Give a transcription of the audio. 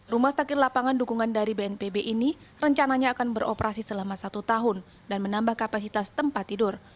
rumah sakit lapangan dukungan dari bnpb ini rencananya akan beroperasi selama satu tahun dan menambah kapasitas tempat tidur